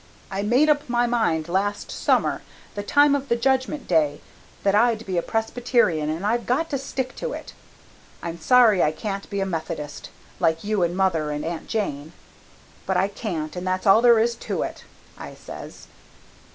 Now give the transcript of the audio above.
I made up my mind last summer, the time of the Judgment Day, that I'd be a Presbyterian, and I've got to stick to it. I'm sorry I can't be a Methodist, like you and mother and Aunt Jane, but I can't and that's all there is to it,' I says.